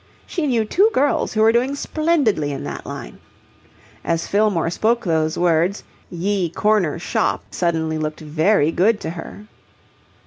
She knew two girls who were doing splendidly in that line. As Fillmore spoke those words, Ye Corner Shoppe suddenly looked very good to her.